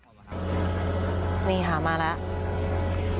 อเรนนี่นี่ฮะมาแล้ว